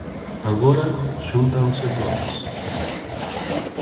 Agora xúntanse todas.